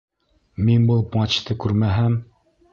Мин был матчты күрмәһәм...